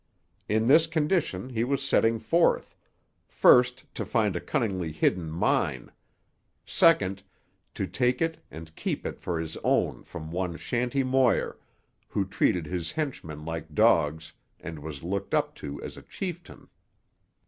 In this condition he was setting forth—first, to find a cunningly hidden mine; second, to take it and keep it for his own from one Shanty Moir, who treated his henchmen like dogs and was looked up to as a chieftain.